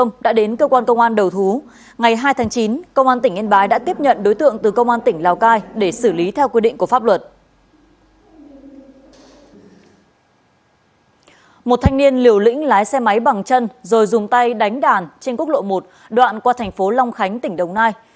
một thanh niên liều lĩnh lái xe máy bằng chân rồi dùng tay đánh đàn trên quốc lộ một đoạn qua thành phố long khánh tỉnh đồng nai